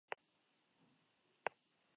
No volvió a ser reelegido.